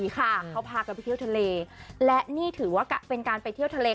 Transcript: เขาพากันไปเที่ยวทะเลและนี่ถือว่าเป็นการไปเที่ยวทะเล